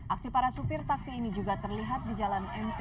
aksi para supir taksi ini juga terlihat di jalan mt